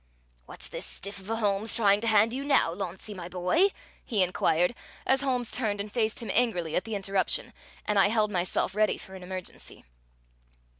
"What's this stiff of a Holmes trying to hand you now, Launcie my boy?" he inquired, as Holmes turned and faced him angrily at the interruption and I held myself ready for an emergency.